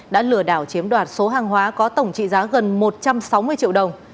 đã lừa đảo chiếm đoạt số hàng hóa có tổng trị giá gần một trăm sáu mươi triệu đồng